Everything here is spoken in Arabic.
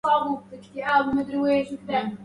فَخُذْ مِنْ فَنَائِك الَّذِي لَا يَبْقَى